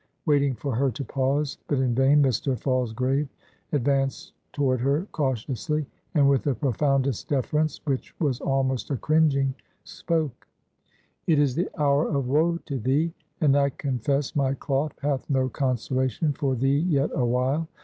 Waiting for her to pause, but in vain, Mr. Falsgrave advanced toward her cautiously, and with the profoundest deference, which was almost a cringing, spoke: "It is the hour of woe to thee; and I confess my cloth hath no consolation for thee yet awhile.